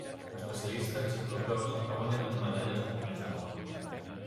Especialista en ciclocròs ha guanyat una medalla als Campionats del món.